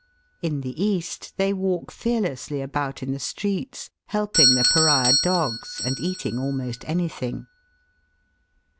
In the East they walk fearlessly about in the streets, helping the pariah dogs, and eating almost any thing.